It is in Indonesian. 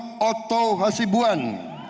saudara dr otto hasibuan